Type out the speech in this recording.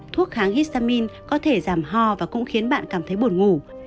thuốc kháng histamin có thể giảm ho và cũng khiến bạn cảm thấy buồn ngủ